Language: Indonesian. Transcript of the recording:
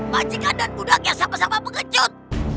majikan dan budak yang sama sama pengecut